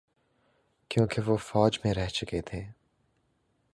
چونکہ وہ فوج میں رہ چکے تھے۔